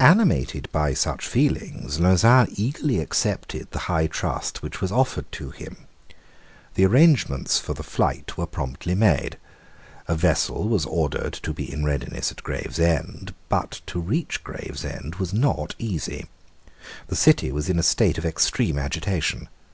Animated by such feelings, Lauzun eagerly accepted the high trust which was offered to him. The arrangements for the flight were promptly made: a vessel was ordered to be in readiness at Gravesend: but to reach Gravesend was not easy. The City was in a state of extreme agitation.